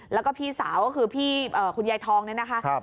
แล้วก็พี่สาวก็คือพี่คุณยายทองเนี่ยนะคะ